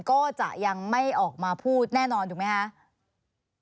ก็จะยังไม่ออกมาพูดแน่นอนถูกไหมคะ